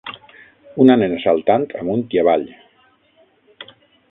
Una nena saltant amunt i avall.